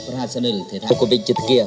ra sân ứng thể thao covid trước kia